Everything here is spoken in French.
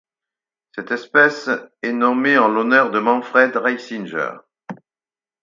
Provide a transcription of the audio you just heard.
Cette espèce est nommée en l'honneur de Manfred Reisinger.